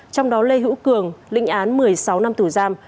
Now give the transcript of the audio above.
trong đó lê hữu cường linh án một mươi sáu năm tù giam